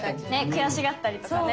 悔しがったりとかね。